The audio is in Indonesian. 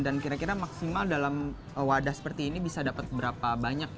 dan maksimal dalam wadah seperti ini bisa dapat berapa banyak